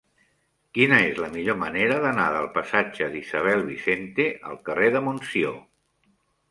Quina és la millor manera d'anar del passatge d'Isabel Vicente al carrer de Montsió?